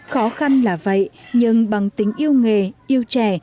khó khăn là vậy nhưng bằng tình yêu nghề yêu trẻ